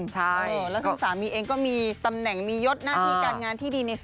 และสามีเองก็มีตำแหน่งมียศนาที่การงานที่ดีในสังคม